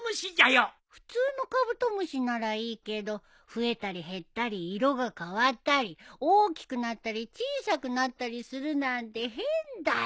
普通のカブトムシならいいけど増えたり減ったり色が変わったり大きくなったり小さくなったりするなんて変だよ。